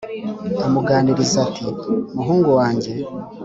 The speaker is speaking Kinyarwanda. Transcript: amuganiriza ati"muhungu wange